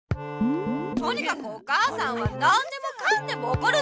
とにかくお母さんは何でもかんでもおこるんだ。